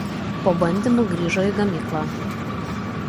Po bandymų grįžo į gamyklą.